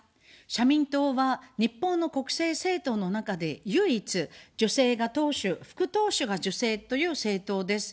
社民党は、日本の国政政党の中で、唯一、女性が党首・副党首が女性という政党です。